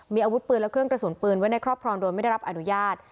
มีอาวุธปืนและเครื่องกระสุนปืนไว้ในครอบครองโดยไม่ได้รับอนุญาต